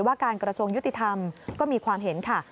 ว่าการกระทรวงยุติธรรมก็มีความเห็นค่ะ